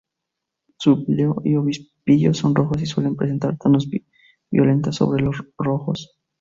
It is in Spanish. Su píleo y obispillo son rojos y suelen presentar tonos violetas sobre los ojos.